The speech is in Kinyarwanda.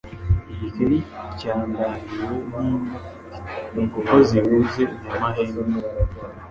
Igikeri cyakandagiwe n’inka kiti: uko zivuze nyamahembe